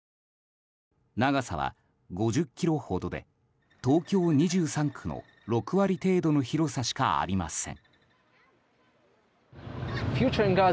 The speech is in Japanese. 長さは５０ｋｍほどで東京２３区の６割程度の広さしかありません。